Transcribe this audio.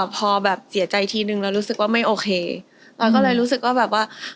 พอแบบเสียใจทีนึงเรารู้สึกว่าไม่โอเคเราก็เลยรู้สึกว่าแบบว่า